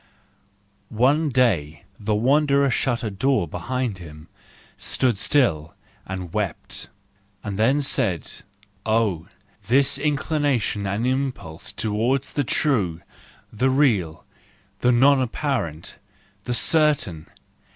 —One day the wanderer shut a door behind him, stood still, and 16 242 THE JOYFUL WISDOM, IV wept. Then he said: "Oh, this inclination and impulse towards the true, the real, the non apparent, the certain!